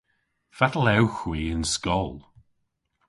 Fatel ewgh hwi yn skol?